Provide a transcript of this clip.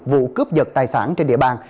vụ cướp giật tài sản trên địa bàn